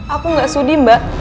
aku gak sudi mbak